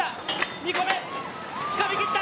２個目、つかみ切った。